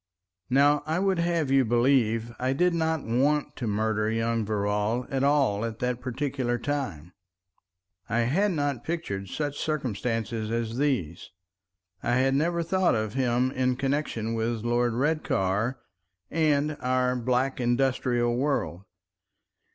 ... Now I would have you believe I did not want to murder young Verrall at all at that particular time. I had not pictured such circumstances as these, I had never thought of him in connection with Lord Redcar and our black industrial world.